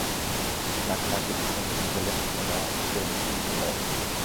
লাখ লাখ দৃষ্টি থাকাদের পেছনে ফেলে ওরা করে নিয়েছে নিজের অবস্থান।